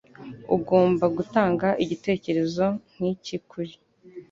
Ugomba gutanga igitekerezo nkiki kuri